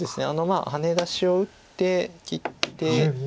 ハネ出しを打って切って。